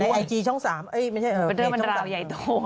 ในไอจีช่อง๓คุณขอเข้าไปเลือกคะไทธาบาลวันเดาราวยายโต